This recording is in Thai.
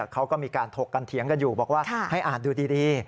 เขาก็มีการถกกันเถียงกันอยู่บอกว่าให้อ่านดูดี